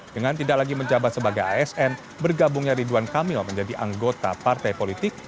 dengan tidak lagi menjabat sebagai asn bergabungnya ridwan kamil menjadi anggota partai politik